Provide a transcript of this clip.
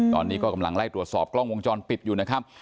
ตอนนี้ก็กำลังไล่ตรวจสอบกล้องวงจรปิดอยู่นะครับ